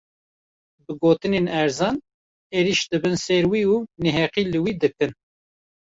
Bi gotinên erzan, êrîş dibin ser wî û neheqî li wî dikin